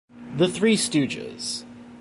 The Three Stooges.